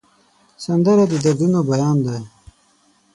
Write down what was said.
سندره د دردونو بیان ده